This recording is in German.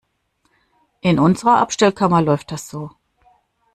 In unserer Abstellkammer läuft das so.